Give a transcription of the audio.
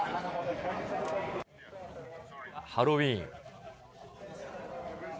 ハロウィーン。